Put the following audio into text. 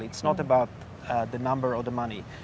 ini bukan tentang jumlah atau uang